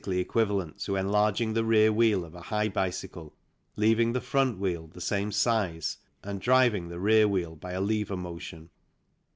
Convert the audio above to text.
to develop equivalent to enlarging the rear wheel of a high bicycle, leaving the front wheel the same size and driving the rear wheel by a lever motion.